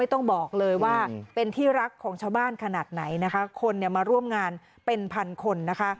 ต้องบอกเลยว่าเป็นที่รักของชาวบ้านขนาดไหนนะคะคนเนี่ยมาร่วมงานเป็นพันคนนะคะ